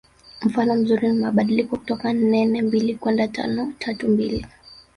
Mfano mzuri ni mabadiliko kutoka nne nne mbili kwenda tano tatu mbili